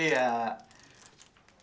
ini buat kamu